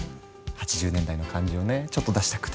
８０年代の感じをねちょっと出したくて。